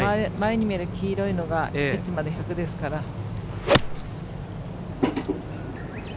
前に見える黄色いのがエッジまで１００ですから。